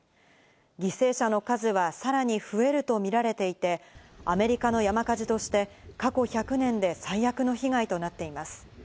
犠牲者の数はさらに増えると見られていて、アメリカの山火事として過去１００年で最悪の被害となっています。